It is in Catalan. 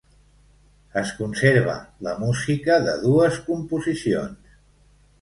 Es conserva la música de dues composicions.